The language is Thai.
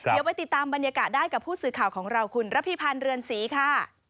เดี๋ยวไปติดตามบรรยากาศได้กับผู้สื่อข่าวของเราคุณระพิพันธ์เรือนศรีค่ะ